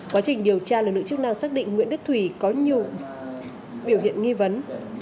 quá trình điều tra lực lượng chức năng xác định nguyễn đức thủy có nhiều biểu hiện nghi vấn